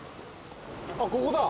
あっここだ。